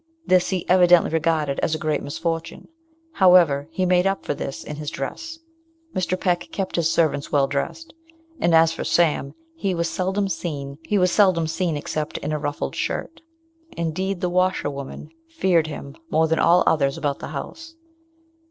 This he evidently regarded as a great misfortune. However, he made up for this in his dress. Mr. Peck kept his house servants well dressed; and as for Sam, he was seldom seen except in a ruffled shirt. Indeed, the washerwoman feared him more than all others about the house.